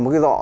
một cái rõ